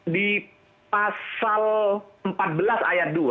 di pasal empat belas ayat dua